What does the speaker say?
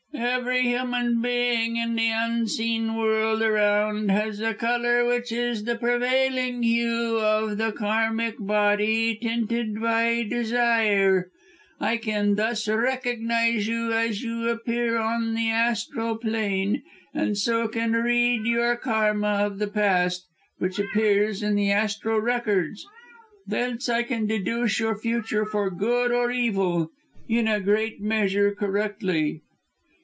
"Every human being in the unseen world around has a colour which is the prevailing hue of the karmic body, tinted by desire. I can thus recognise you as you appear on the astral plane, and so can read your karma of the past, which appears in the astral records. Thence I can deduce your future for good or evil, in a great measure correctly."